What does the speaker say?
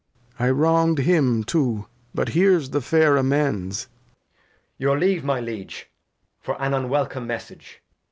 Lear. I wrong'd him too, but here's the fair Amends. Edg. Your Leave, my Liege, for an unwelcome Mes sage.